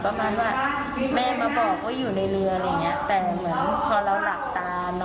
เราก็เห็นภาพแม่มาว่าเขายืนอยู่บนเรือตลอด